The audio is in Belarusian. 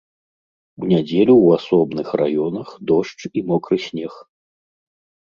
У нядзелю ў асобных раёнах дождж і мокры снег.